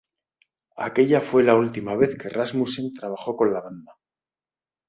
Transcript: Aquella fue la última vez que Rasmussen trabajó con la banda.